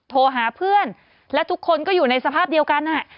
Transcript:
โทรหาเพื่อนและทุกคนก็อยู่ในสภาพเดียวกัน